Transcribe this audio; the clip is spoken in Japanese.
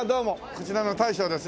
こちらの大将です。